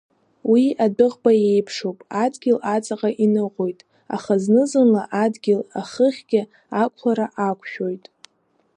Уи адәыӷба иеиԥшуп, адгьыл аҵаҟа иныҟәоит, аха зны-зынла адгьыл ахыхьгьы ақәлара ақәшәоит.